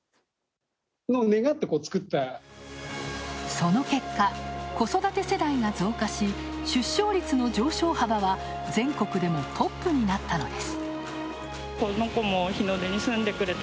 その結果、子育て世代が増加し出生率の上昇幅は全国でもトップになったのです。